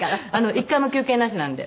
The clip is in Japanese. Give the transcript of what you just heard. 一回も休憩なしなんで。